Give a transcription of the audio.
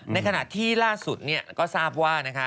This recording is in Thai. ในขณะที่ล่าสุดก็ทราบว่า